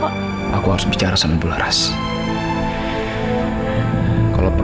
lagipula lima ratus juta itu kan bukan uang yang sedikit dokter